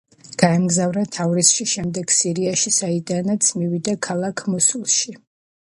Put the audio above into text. გაემგზავრა თავრიზში, შემდეგ სირიაში, საიდანც მივიდა ქალაქ მოსულში.